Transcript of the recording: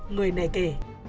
người này kể